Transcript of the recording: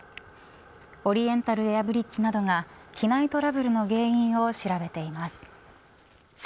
オリエンタルエアブリッジなどが機内トラブルの原因を調べています。